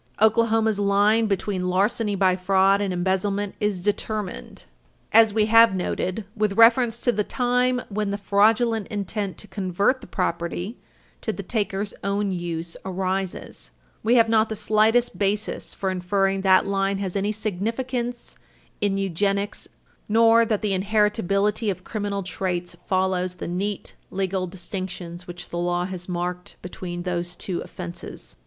Oklahoma's line between larceny by fraud and embezzlement is determined, as we have noted, "with reference to the time when the Page 316 U. S. 542 fraudulent intent to convert the property to the taker's own use" arises. Riley v. State, supra, 64 Okla.Cr. at p. 189, 78 P.2d p. 715. We have not the slightest basis for inferring that that line has any significance in eugenics, nor that the inheritability of criminal traits follows the neat legal distinctions which the law has marked between those two offenses.